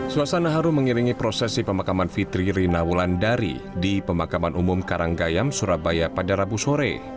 suasana harum mengiringi prosesi pemakaman fitri rina wulandari di pemakaman umum karanggayam surabaya pada rabu sore